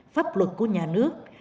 pháp luật của nhà nước